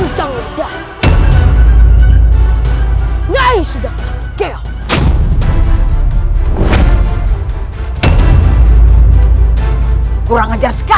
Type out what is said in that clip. tadi nyai sudah menjadi tengku